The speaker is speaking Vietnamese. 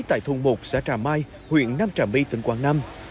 tại thôn một xã trà mai huyện nam trà my tỉnh quảng nam